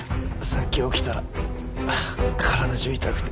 さっき起きたら体中痛くて。